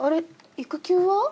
育休は？